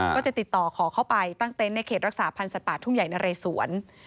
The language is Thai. ก็จะติดต่อขอเข้าไปตั้งเต็นต์ในเขตรักษาพันธ์สัตว์ป่าทุ่งใหญ่นะเรสวน